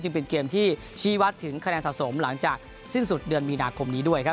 เป็นเกมที่ชี้วัดถึงคะแนนสะสมหลังจากสิ้นสุดเดือนมีนาคมนี้ด้วยครับ